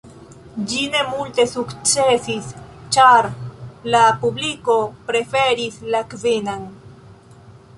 Ĝi ne multe sukcesis, ĉar la publiko preferis la Kvinan.